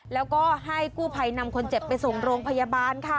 แล้วก็ให้กู้ภัยนำคนเจ็บไปส่งโรงพยาบาลค่ะ